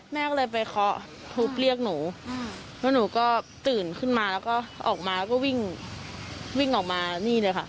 แม่ก็เลยไปเคาะทุบเรียกหนูแล้วหนูก็ตื่นขึ้นมาแล้วก็ออกมาแล้วก็วิ่งวิ่งออกมานี่เลยค่ะ